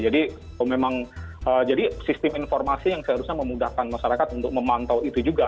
jadi memang jadi sistem informasi yang seharusnya memudahkan masyarakat untuk memantau itu juga